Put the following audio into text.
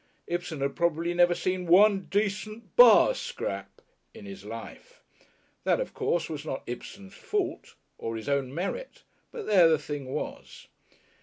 Ibsen had probably never seen "one decent bar scrap" in his life. That, of course, was not Ibsen's fault or his own merit, but there the thing was.